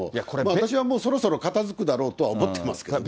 私はもう、そろそろ片づくだろうとは思ってますけれども。